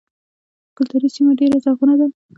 د ګلدرې سیمه ډیره زرغونه ده